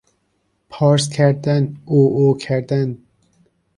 پارس کردن، عوعو کردن